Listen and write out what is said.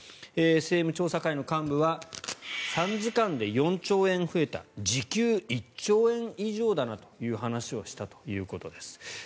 政務調査会の幹部は３時間で４兆円増えた時給１兆円以上だなという話をしたということです。